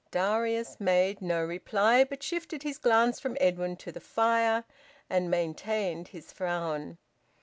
Darius made no reply, but shifted his glance from Edwin to the fire, and maintained his frown.